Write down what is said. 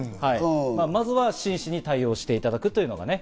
まずは真摯に対応していただくというのがね。